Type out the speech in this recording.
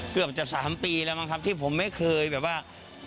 เกือบจะ๓ปีแล้วมั้งครับที่ผมไม่เคยแบบว่า